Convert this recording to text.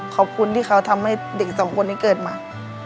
ขอบคุณที่เขาทำให้เด็กสองคนนี้เกิดมา